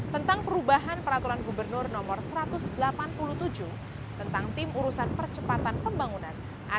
tentang perubahan peraturan gubernur no satu ratus delapan puluh tujuh tentang tim urusan percepatan pembangunan